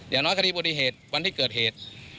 อย่างน้อยคดีบริเหตุวันที่เกิดเหตุ